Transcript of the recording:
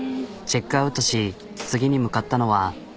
チェックアウトし次に向かったのは。